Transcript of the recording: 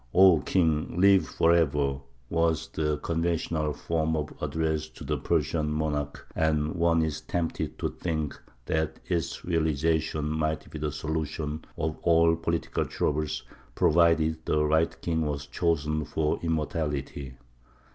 "O King, live for ever!" was the conventional form of address to the Persian monarch, and one is tempted to think that its realization might be the solution of all political troubles, provided the right king was chosen for immortality.